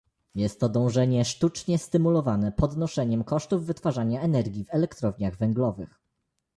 Jest to dążenie sztucznie stymulowane podnoszeniem kosztów wytwarzania energii w elektrowniach węglowych